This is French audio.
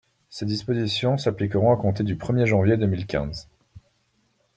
Ces dispositions s’appliqueront à compter du premier janvier deux mille quinze.